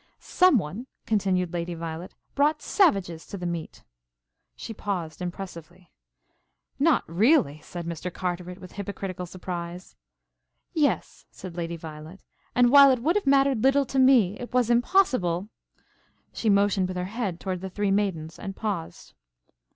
"Some one," continued Lady Violet, "brought savages to the meet." She paused impressively. "Not really!" said Mr. Carteret with hypocritical surprise. "Yes," said Lady Violet, "and while it would have mattered little to me, it was impossible " She motioned with her head toward the three maidens, and paused.